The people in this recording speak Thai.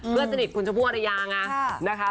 เพื่อนสนิทคุณชมพูอารยาไงนะคะ